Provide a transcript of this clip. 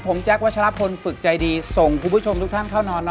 ผมแจ๊ควัชลพลฝึกใจดีส่งคุณผู้ชมทุกท่านเข้านอน